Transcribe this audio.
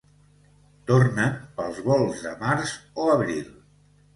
Tornen pels volts de març o abril.